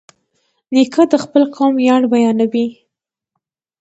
نیکه د خپل قوم ویاړ بیانوي.